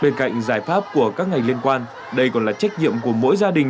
bên cạnh giải pháp của các ngành liên quan đây còn là trách nhiệm của mỗi gia đình